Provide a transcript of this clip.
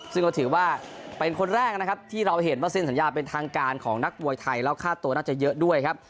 ซึ่งก็ถือว่าเป็นคนแรกนะครับที่เราเห็นว่าเซ็นสัญญาเป็นทางการของนักมวยไทยแล้วค่าตัวน่าจะเยอะด้วยครับ